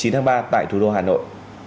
chín tháng ba tại thủ đô hà nội